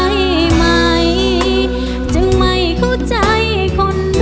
ใครไม่จึงไม่เข้าใจคนรอ